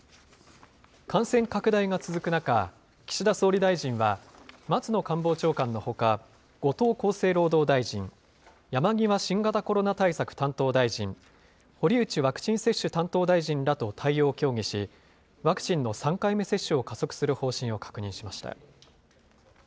感染拡大が続く中、岸田総理大臣は、松野官房長官とほか、後藤厚生労働大臣、山際新型コロナ対策担当大臣、堀内ワクチン接種担当大臣らと対応を協議し、ワクチンの３回目接種を加速する方針を確認しました。